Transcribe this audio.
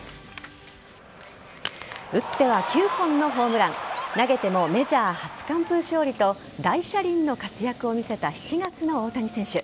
打っては９本のホームラン投げてもメジャー初完封勝利と大車輪の活躍を見せた７月の大谷選手。